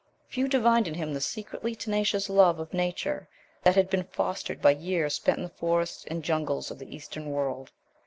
Few divined in him the secretly tenacious love of nature that had been fostered by years spent in the forests and jungles of the eastern world.